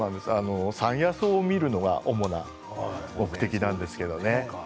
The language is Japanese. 山野草を見るるのが主な目的なんですよね。